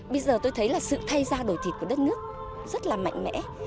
bây giờ tôi thấy là sự thay ra đổi thịt của đất nước rất là mạnh mẽ